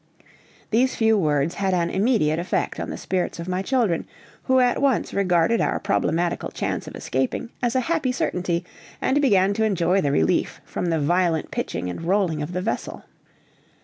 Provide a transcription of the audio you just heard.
These few words had an immediate effect on the spirits of my children, who at once regarded our problematical chance of escaping as a happy certainty, and began to enjoy the relief from the violent pitching and rolling of the vessel.